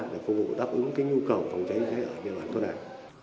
để phục vụ đáp ứng cái nhu cầu phòng cháy chữa cháy ở địa phương này